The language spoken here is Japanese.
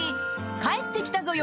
「帰ってきたぞよ！